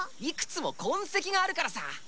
いくつもこんせきがあるからさ。